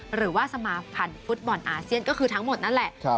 หรือว่าสมาพันธ์ฟุตบอลอาเซียนก็คือทั้งหมดนั่นแหละ